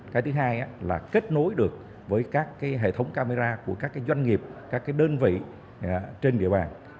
cái thứ hai là kết nối được với các hệ thống camera của các doanh nghiệp các đơn vị trên địa bàn